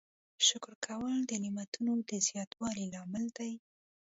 شکر کول د نعمتونو د زیاتوالي لامل دی.